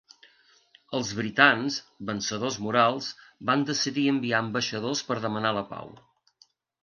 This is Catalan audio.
Els britans, vencedors morals, van decidir enviar ambaixadors per demanar la pau.